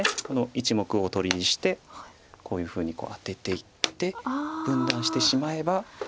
この１目をおとりにしてこういうふうにアテていって分断してしまえば。